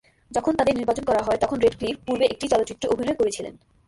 যখন তাদের নির্বাচন করা হয় তখন র্যাডক্লিফ পূর্বে একটি চলচ্চিত্রে অভিনয় করেছিলেন।